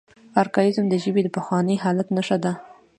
ارکائیزم د ژبې د پخواني حالت نخښه ده.